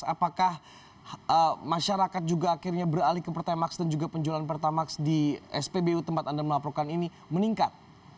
apakah masyarakat juga akhirnya beralih ke pertamax dan juga penjualan pertamax di spbu tempat anda melaporkan ini meningkat